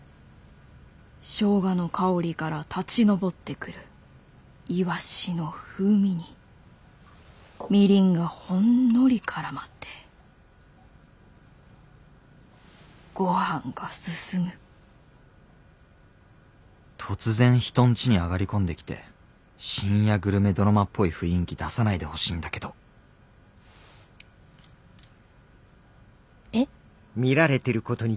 ショウガの香りから立ち上ってくるイワシの風味にみりんがほんのりからまってごはんが進む突然人んちに上がり込んできて深夜グルメドラマっぽい雰囲気出さないでほしいんだけどえ？